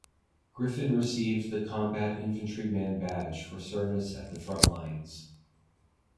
Griffin received the Combat Infantryman Badge for service at the front lines.